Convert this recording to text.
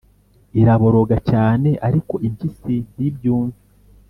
iraboroga cyane ariko impyisi ntibyumve